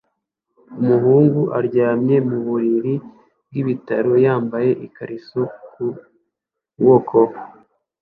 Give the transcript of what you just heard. Umuhungu aryamye mu buriri bw'ibitaro yambaye ikariso ku kuboko